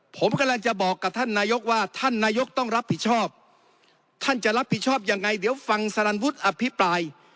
ผมกำลังจะบอกกับท่านนายกว่าท่านนายกต้องรับผิดชอบท่านจะรับผิดชอบยังไงเดี๋ยวฟังสารันวุฒิอภิปราย